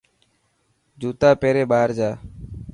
جوتا پيري ٻاهر جا.